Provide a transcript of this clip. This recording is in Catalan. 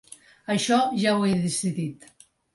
Això ja ho he decidit.